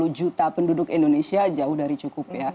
jadi dua ratus lima puluh juta penduduk indonesia jauh dari cukup ya